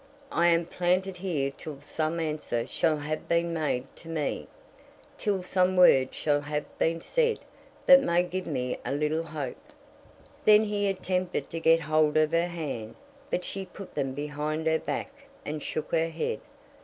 I am planted here till some answer shall have been made to me; till some word shall have been said that may give me a little hope." Then he attempted to get hold of her hand, but she put them behind her back and shook her head.